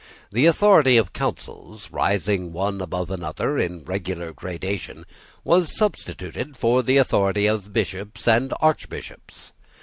The authority of councils, rising one above another in regular gradation, was substituted for the authority of Bishops and Archbishops.